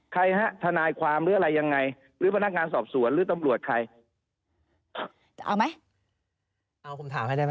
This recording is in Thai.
ใครฮะธนายความหรืออะไรยังไงหรือพนักการณ์สอบสวนหรือตำรวจใคร